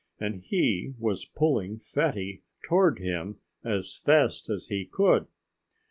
And he was pulling Fatty toward him as fast as he could.